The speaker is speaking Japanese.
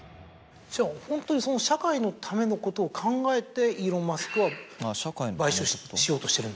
じゃあホントにその社会のためのことを考えてイーロン・マスクは買収しようとしてるんですか？